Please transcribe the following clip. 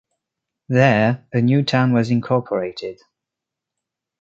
There, a new town was incorporated.